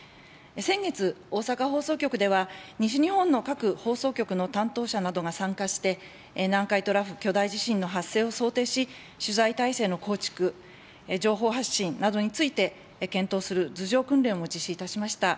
先月、大阪放送局では、西日本の各放送局の担当者などが参加して、南海トラフ巨大地震の発生を想定し、取材態勢の構築、情報発信などについて検討する図上訓練も実施いたしました。